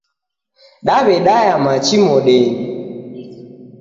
Dawedaya machi modenyi